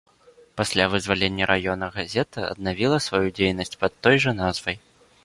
Пасля вызвалення раёна газета аднавіла сваю дзейнасць пад той жа назвай.